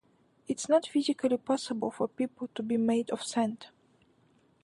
It is not physically possible for people to be made of sand.